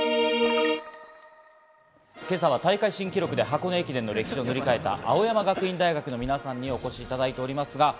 今朝は大会新記録で箱根駅伝の歴史を塗り替えた、青山学院大学の皆さんにお越しいただいています。